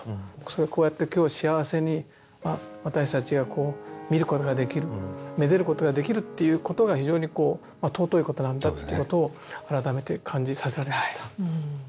それをこうやって今日幸せに私たちがこう見ることができる愛でることができるっていうことが非常にこう尊いことなんだっていうことを改めて感じさせられました。